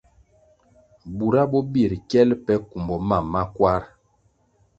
Bura bo birʼ kyel pe kumbo mam ma kwarʼ.